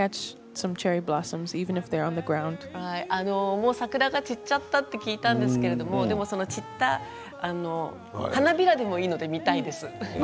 もう桜が散っちゃったって聞いたんですけれどその散った花びらでもいいので見たいです。